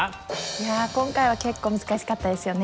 いや今回は結構難しかったですよね。